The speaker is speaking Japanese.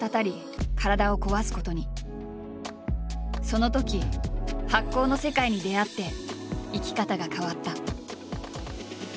そのとき発酵の世界に出会って生き方が変わった。